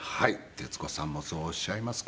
徹子さんもそうおっしゃいますか。